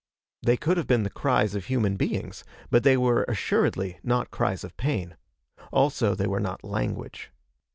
They could have been the cries of human beings, but they were assuredly not cries of pain. Also they were not language.